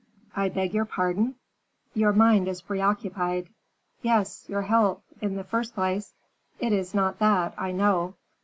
"I beg your pardon." "Your mind is preoccupied." "Yes, your health, in the first place " "It is not that, I know."